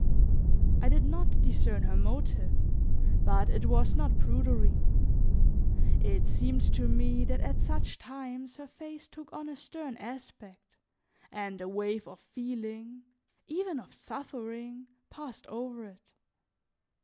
I did not discern her motive, but it was not prudery; it seemed to me that at such times her face took on a stern aspect and a wave of feeling, even of suffering, passed over it.